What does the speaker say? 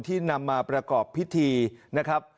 นำมาประกอบพิธีนะครับ